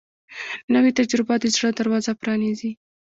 نوې تجربه د زړه دروازه پرانیزي